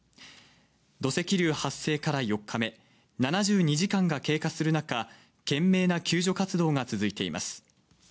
土石流発生から４日目、７２時間が経過する中、懸命な救助活動が続いています。